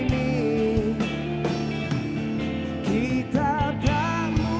dan segala kejangan